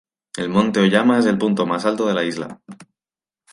El monte Oyama es el punto más alto de la isla.